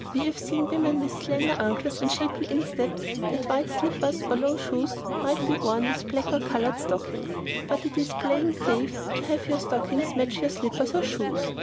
We have seen women with such slender ankles and shapely insteps, that white slippers or low shoes might be worn with black or coloured stockings. But it is playing safe to have your stockings match your slippers or shoes.